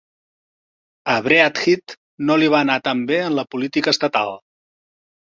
A Breathitt no li va anar tan bé en la política estatal.